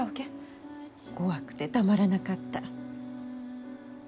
怖くてたまらなかった。